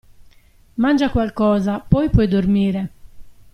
Mangia qualcosa, poi puoi dormire.